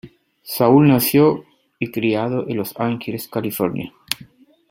Saul nació y criado en Los Ángeles, California.